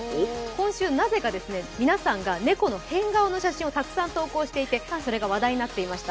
今週、なぜか皆さんが猫の変顔の写真をたくさん投稿していてそれが話題になっていました。